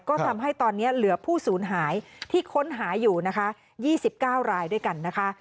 ก็ทำให้ตอนนี้เหลือผู้สูญหายที่ค้นหาอยู่นะคะ๒๙รายด้วยกันนะคะ